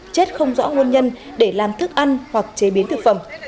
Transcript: chết không rõ nguồn nhân để làm thức ăn hoặc chế biến thực phẩm